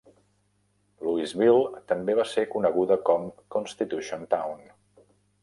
Louisville també va se coneguda com "Constitution Town".